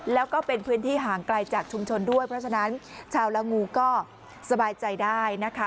แล้วก็เป็นพื้นที่ห่างไกลจากชุมชนด้วยเพราะฉะนั้นชาวละงูก็สบายใจได้นะคะ